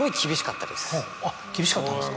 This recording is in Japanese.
厳しかったんですか。